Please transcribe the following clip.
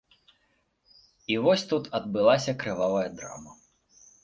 І вось тут адбылася крывавая драма.